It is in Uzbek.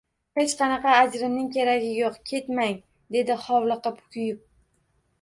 Hech qanaqa ajrimning keragi yo`q, ketmang, dedi hovliqib-kuyib